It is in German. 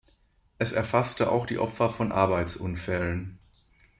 Es erfasste auch die Opfer von Arbeitsunfällen.